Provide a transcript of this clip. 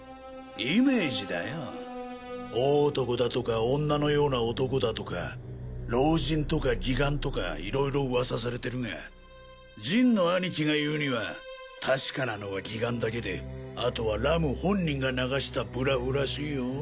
イメージだよ大男だとか女のような男だとか老人とか義眼とかいろいろ噂されてるがジンの兄貴が言うには確かなのは義眼だけであとはＲＵＭ本人が流したブラフらしいよ。